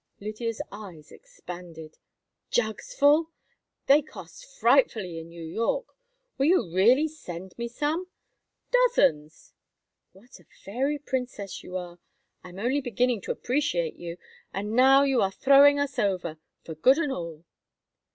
Lydia's eyes expanded. "Jugs full! They cost frightfully in New York. Will you really send me some?" "Dozens." "What a fairy princess you are! I am only beginning to appreciate you, and now you are throwing us over—for good and all!"